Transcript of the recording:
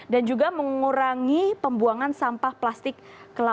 dan juga mengurangi pembuangan sampah plastik